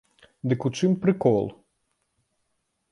Дык у чым прыкол?